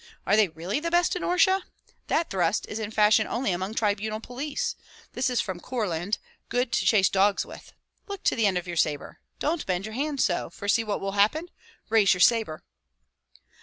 Are they really the best in Orsha? That thrust is in fashion only among tribunal police. This is from Courland, good to chase dogs with. Look to the end of your sabre! Don't bend your hand so, for see what will happen! Raise your sabre!"